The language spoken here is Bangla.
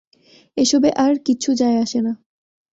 এসবে আর কিচ্ছু যায় আসে না।